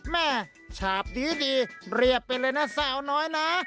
ฉาบดีเรียบไปเลยนะสาวน้อยนะ